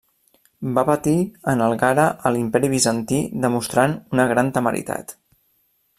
Va partir en algara a l'imperi Bizantí demostrant una gran temeritat.